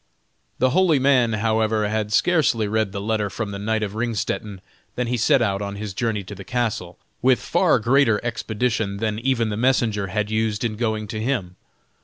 The holy man, however, had scarcely read the letter from the knight of Ringstetten, than he set out on his journey to the castle, with far greater expedition than even the messenger had used in going to him.